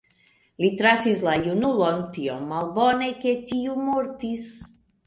Li trafis la junulon tiom malbone, ke tiu mortis.